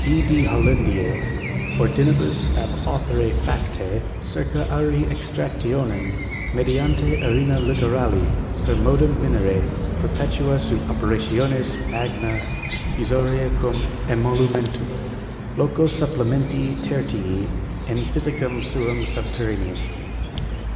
D.D. Hollandise ordinibus ab authore fades, circa auri extractionem mediante arena littorali per modum mbem perpetute seu operationis ma^« nisorise cum emolumento. Loco supplementi tertii in Physicam suam subterraneam.